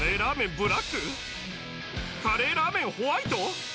カレーらーめんホワイト？